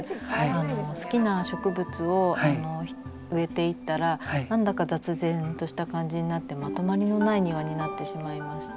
好きな植物を植えていったら何だか雑然とした感じになってまとまりのない庭になってしまいまして。